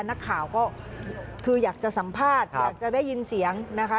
นักข่าวก็คืออยากจะสัมภาษณ์อยากจะได้ยินเสียงนะคะ